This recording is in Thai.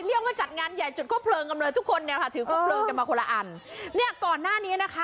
เรียกว่าจัดงานใหญ่จุดควบเลิงกันเลยทุกคนเนี่ยค่ะถือครบเพลิงกันมาคนละอันเนี่ยก่อนหน้านี้นะคะ